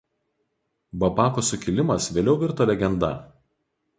Babako sukilimas vėliau virto legenda.